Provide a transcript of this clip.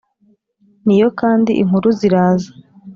N' iyo kandi inkuru ziraza